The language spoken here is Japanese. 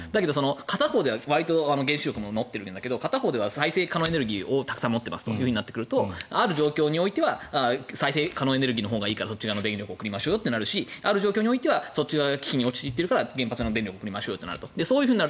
片方では原子力を持ってるんだけど片方では再生可能エネルギーをたくさん持っているというとある状況においては再生可能エネルギーのほうがいいからそっちに送りましょうとなるしある状況においてはそっち側が危機に陥っているから原子力の電力を送りましょうと。